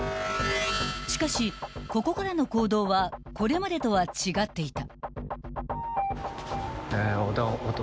［しかしここからの行動はこれまでとは違っていた］